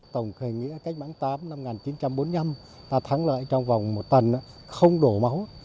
tổng khởi nghĩa cách mạng tám năm một nghìn chín trăm bốn mươi năm ta thắng lợi trong vòng một tuần không đổ máu